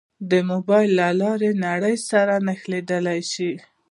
د موبایل له لارې نړۍ سره نښلېدای شو.